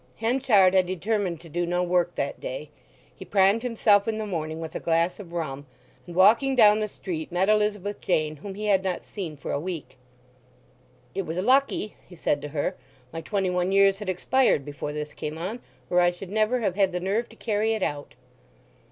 Henchard had determined to do no work that day. He primed himself in the morning with a glass of rum, and walking down the street met Elizabeth Jane, whom he had not seen for a week. "It was lucky," he said to her, "my twenty one years had expired before this came on, or I should never have had the nerve to carry it out."